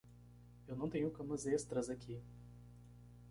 Eu não tenho camas extras aqui.